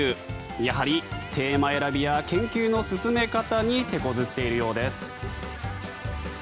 やはりテーマ選びや研究の進め方にてこずっているようです。